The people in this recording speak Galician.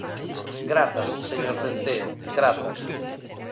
Grazas, señor Centeo, grazas.